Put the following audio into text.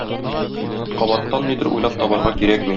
Кабаттан нидер уйлап табарга кирәкми.